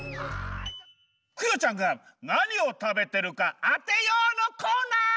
クヨちゃんがなにを食べてるかあてようのコーナー！